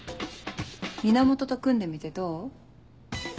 源と組んでみてどう？